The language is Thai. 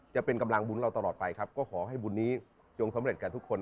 จะเป็นกำลังบุญเราตลอดไปครับก็ขอให้บุญนี้จงสำเร็จกับทุกคน